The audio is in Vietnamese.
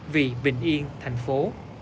vì bình yên thành phố